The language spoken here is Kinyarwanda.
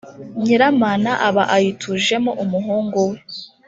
nyiramana aba ayitujemo umuhungu we.